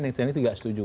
yang itu nggak setuju